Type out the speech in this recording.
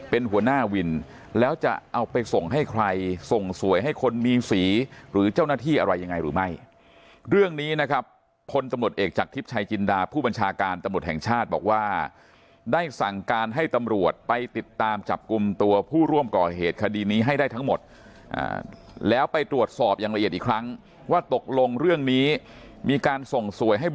เป็นหัวหน้าวินแล้วจะเอาไปส่งให้ใครส่งสวยให้คนมีสีหรือเจ้าหน้าที่อะไรยังไงหรือไม่เรื่องนี้นะครับพลตำรวจเอกจากทิพย์ชายจินดาผู้บัญชาการตำรวจแห่งชาติบอกว่าได้สั่งการให้ตำรวจไปติดตามจับกลุ่มตัวผู้ร่วมก่อเหตุคดีนี้ให้ได้ทั้งหมดแล้วไปตรวจสอบอย่างละเอียดอีกครั้งว่าตกลงเรื่องนี้มีการส่งสวยให้บ